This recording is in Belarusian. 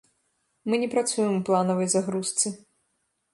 Мы не працуем у планавай загрузцы.